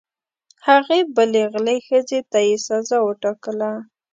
هغې بلې غلې ښځې ته یې سزا وټاکله.